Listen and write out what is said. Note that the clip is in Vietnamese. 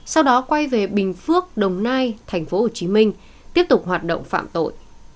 sau đó quay về bình phước đồng nai tp hcm tiếp tục hoạt động phạm tội